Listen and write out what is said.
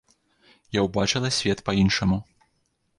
Я ўбачыла свет па-іншаму.